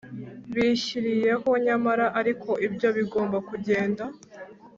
bishyiriyeho Nyamara ariko ibyo bigomba kugenda